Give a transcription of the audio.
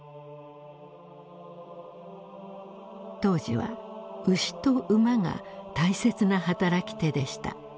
当時は牛と馬が大切な働き手でした。